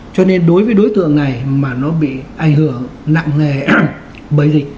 cho nên đối với đối tượng này mà nó bị ảnh hưởng nặng nề bởi dịch